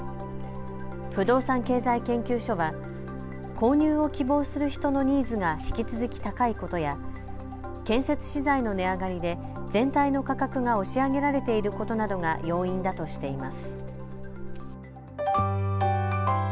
不動産経済研究所は購入を希望する人のニーズが引き続き高いことや建設資材の値上がりで全体の価格が押し上げられていることなどが要因だとしています。